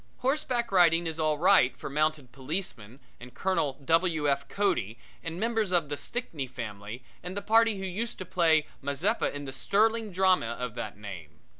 Horseback riding is all right for mounted policemen and Colonel W. F. Cody and members of the Stickney family and the party who used to play Mazeppa in the sterling drama of that name.